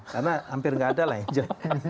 karena hampir gak ada angel